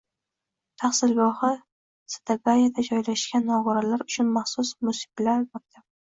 Tahsilgohi Setagayada joylashgan, nogironlar uchun maxsus munisipal maktab